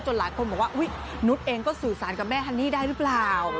หลายคนบอกว่าอุ๊ยนุษย์เองก็สื่อสารกับแม่ฮันนี่ได้หรือเปล่า